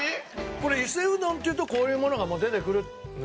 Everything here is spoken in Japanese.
これ伊勢うどんっていうとこういうものが出てくるの？